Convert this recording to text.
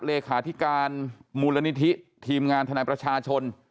เลขาธิการมูลนิธิทีมงานทนายประชาชน